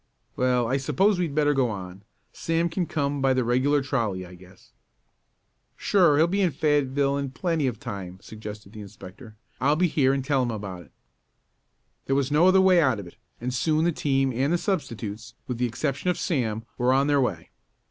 "Well, I suppose we'd better go on. Sam can come by the regular trolley, I guess." "Sure, he'll be in Fayetteville in plenty of time," suggested the inspector. "I'll be here and tell him about it." There was no other way out of it, and soon the team and the substitutes, with the exception of Sam, were on their way.